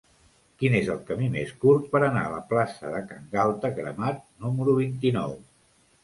Quin és el camí més curt per anar a la plaça de Can Galta Cremat número vint-i-nou?